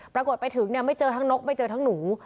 ปรากฏไปถึงไม่เจอทั้งนกไม่เจอทั้งหนู